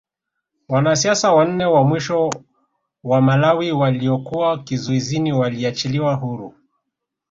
Wanasiasa wanane wa mwisho wa Malawi waliokuwa kizuizini waliachiliwa huru